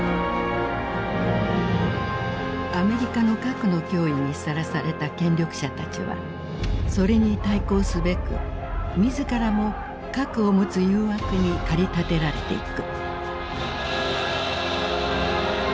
アメリカの核の脅威にさらされた権力者たちはそれに対抗すべく自らも核を持つ誘惑に駆り立てられていく。